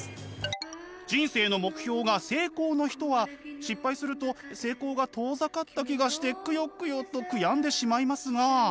人生の目標が成功の人は失敗すると成功が遠ざかった気がしてクヨクヨと悔やんでしまいますが。